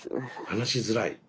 話しづらい？